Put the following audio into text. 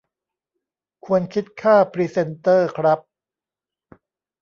ควรคิดค่าพรีเซนเตอร์ครับ